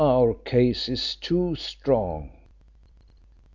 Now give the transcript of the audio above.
"Our case is too strong."